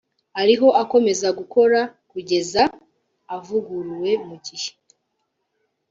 ariho akomeza gukora kugeza avuguruwe mu gihe